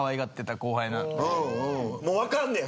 もう分かんねや。